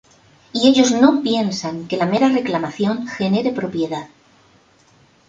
Y ellos no piensan que la mera reclamación genere propiedad.